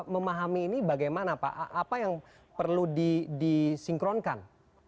memahami ini bagaimana pak apa yang perlu disinkronkan